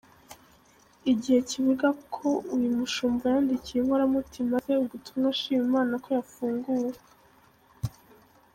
Igihe kivuga ko uyu mushumba yandikiwe inkoramutima ze ubutumwa ashima Imana ko yafunguwe.